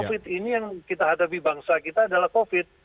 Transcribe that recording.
covid ini yang kita hadapi bangsa kita adalah covid